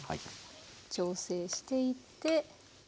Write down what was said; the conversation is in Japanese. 調整していって。